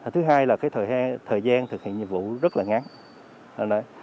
thứ hai là thời gian thực hiện nhiệm vụ rất là ngắn